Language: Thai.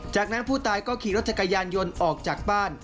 จากนั้นผู้ตายก็ขี่รถจักรยานยนต์ออกจากบ้าน